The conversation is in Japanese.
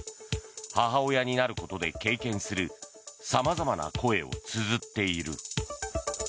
母親になることで経験するさまざまな声をつづっている。